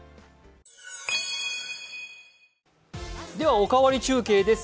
「おかわり中継」です。